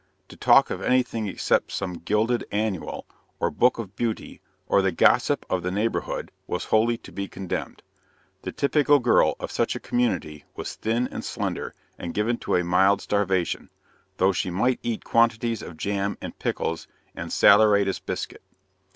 To talk of anything except some gilded "annual," or "book of beauty," or the gossip of the neighborhood was wholly to be condemned. The typical girl of such a community was thin and slender and given to a mild starvation, though she might eat quantities of jam and pickles and saleratus biscuit.